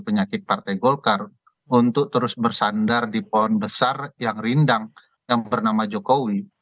penyakit partai golkar untuk terus bersandar di pohon besar yang rindang yang bernama jokowi